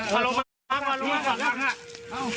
เราลงมาก่อนเร็ว